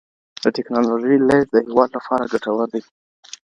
د ټیکنالوژۍ لیږد د هیواد لپاره ګټور دی.